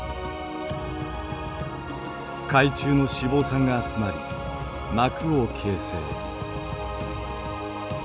海中の脂肪酸が集まり膜を形成。